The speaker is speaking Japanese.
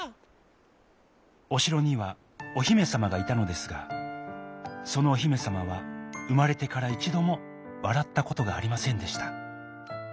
おしろにはおひめさまがいたのですがそのおひめさまはうまれてからいちどもわらったことがありませんでした。